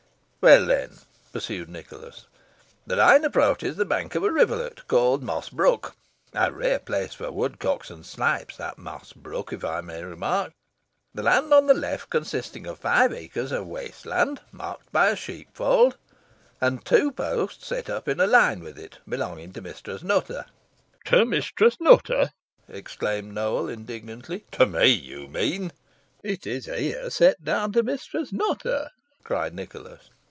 "Well, then," pursued Nicholas, "the line approaches the bank of a rivulet, called Moss Brook a rare place for woodcocks and snipes that Moss Brook, I may remark the land on the left consisting of five acres of waste land, marked by a sheepfold, and two posts set up in a line with it, belonging to Mistress Nutter." "To Mistress Nutter!" exclaimed Nowell, indignantly. "To me, you mean." "It is here set down to Mistress Nutter," said Nicholas.